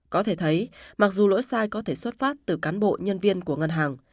có thể thấy mặc dù lỗi sai có thể xuất phát từ cán bộ nhân viên của ngân hàng